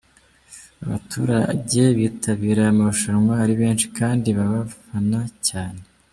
Abaturage bitabira aya marushanwa ari benshi, kandi baba bafana cyane.